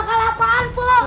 aduh bakal apaan pok